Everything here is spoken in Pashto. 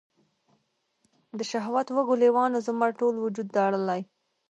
د شهوت وږو لیوانو، زما ټول وجود داړلي